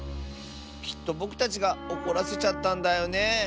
きっとぼくたちがおこらせちゃったんだよね。